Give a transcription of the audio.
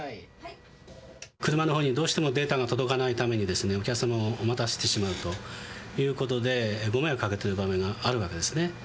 車の方にどうしてもデータが届かないためにお客様を待たせてしまうという事でご迷惑かけている場面があるわけですね。